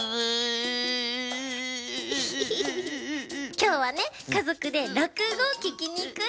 きょうはねかぞくでらくごききにいくんだよ。